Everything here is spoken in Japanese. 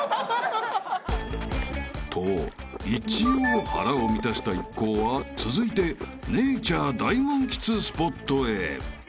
［と一応腹を満たした一行は続いてネイチャー大満喫スポットへ］